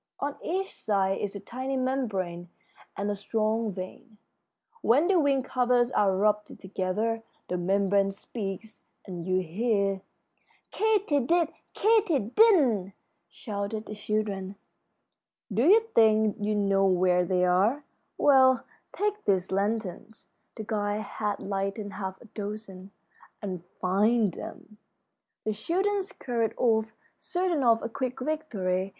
On each side is a tiny membrane and a strong vein. When the wing covers are rubbed together the membrane speaks, and you hear " "Katy did, Katy didn't!" shouted the children. "Do you think you know where they are? Well, take these lanterns" the guide had lighted half a dozen "and find them." The children scurried off, certain of a quick victory.